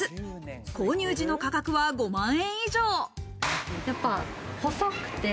購入時の価格は５万円以上。